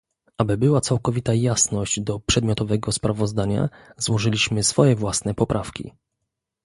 aby była całkowita jasność do przedmiotowego sprawozdania, złożyliśmy swoje własne poprawki